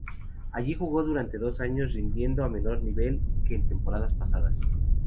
Allí jugó durante dos años, rindiendo a menor nivel que en temporadas pasadas.